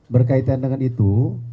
berkaitan dengan itu